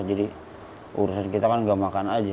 jadi urusan kita kan tidak makan saja